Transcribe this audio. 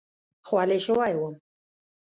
خولې شوی وم.